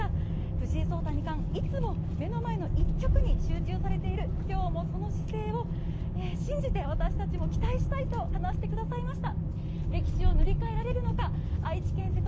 藤井聡太二冠、いつも目の前の一局に集中されている今日もその姿勢を信じて私たちも期待したいと話してくださいました。